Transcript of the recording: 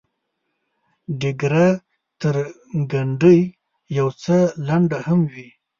ډیګره تر ګنډۍ یو څه لنډه هم وي.